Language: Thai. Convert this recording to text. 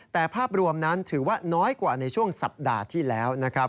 แต่ภาพรวมนั้นถือว่าน้อยกว่าในช่วงสัปดาห์ที่แล้วนะครับ